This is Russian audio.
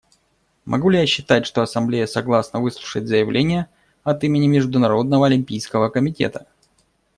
Могу ли я считать, что Ассамблея согласна выслушать заявление от имени Международного олимпийского комитета?